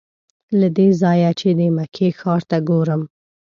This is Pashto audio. له دې ځایه چې د مکې ښار ته ګورم.